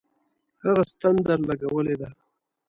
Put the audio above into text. هغه ستن درلگولې ده.